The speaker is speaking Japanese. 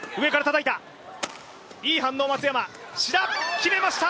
決めました！